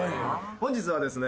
本日はですね